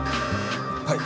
はい。